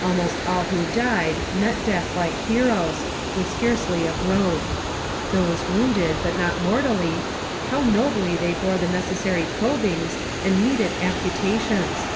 Almost all who died met death like heroes, with scarcely a groan. Those wounded, but not mortally how nobly they bore the necessary probings and needed amputations!